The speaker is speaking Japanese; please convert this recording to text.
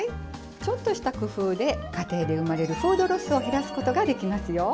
ちょっとした工夫で家庭で生まれるフードロスを減らすことができますよ。